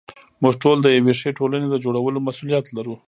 موږ ټول د یوې ښې ټولنې د جوړولو مسوولیت لرو.